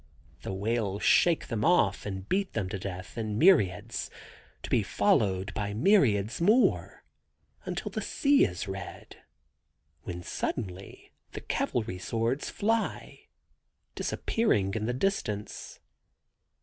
The whales shake them off and beat them to death in myriads, to be followed by myriads more, until the sea is red, when suddenly the cavalry swords fly, disappearing in the distance.